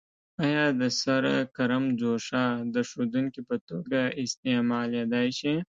آیا د سره کرم ځوښا د ښودونکي په توګه استعمالیدای شي؟